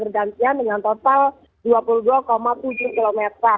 dan dengan total dua puluh dua tujuh km